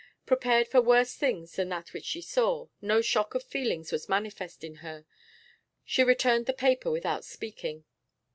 Prepared for worse things than that which she saw, no shock of feelings was manifest in her. She returned the paper without speaking.